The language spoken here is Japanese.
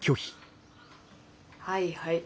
はいはい。